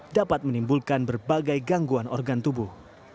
dapat menimbulkan berbagai gangguan organ tubuh